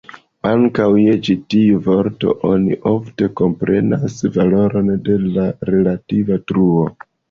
Ankaŭ je ĉi tiu vorto oni ofte komprenas valoron de la relativa truo.